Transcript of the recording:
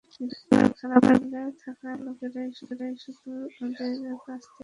গ্রামের খারাপ হালে থাকা লোকেরাই শুধু ওদের কাছ থেকে ধার নেয় না।